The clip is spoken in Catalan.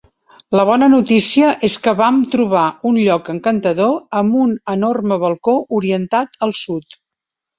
La bona notícia és que vam trobar un lloc encantador amb un enorme balcó orientat al sud.